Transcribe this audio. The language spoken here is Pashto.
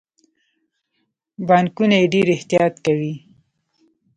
بانکونه یې ډیر احتیاط کوي.